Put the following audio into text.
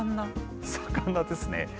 魚ですね。